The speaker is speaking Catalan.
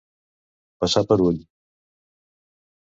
Passar per ull.